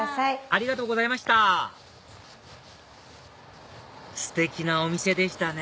ありがとうございましたステキなお店でしたね！